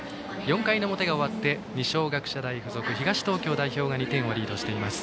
４回表が終わって二松学舎大付属、東東京代表が２点をリードしています。